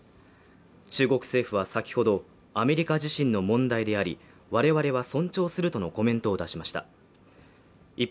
中国政府は先ほどアメリカ自身の問題であり我々は尊重するとのコメントを出しました一方